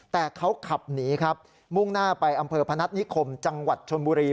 แต่เขาขับหนีครับมุ่งหน้าไปอำเภอพนัฐนิคมจังหวัดชนบุรี